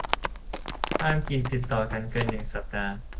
ห้ามกินติดต่อกันเกินหนึ่งสัปดาห์